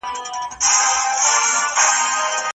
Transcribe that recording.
ډنبار ډېر لږ عمر وکړ